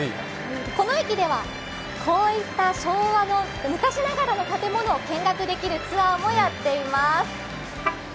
この駅ではこういった昭和の昔ながらの建物を見学できるツアーもやっています。